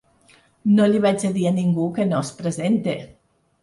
No li vaig a dir a ningú que no es presente.